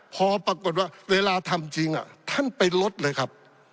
พอปรากฏว่าเวลาทำจริงท่านไปลดเลยครับ